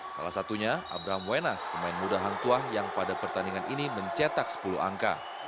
salah satunya abraham wenas pemain muda hangtua yang pada pertandingan ini mencetak sepuluh angka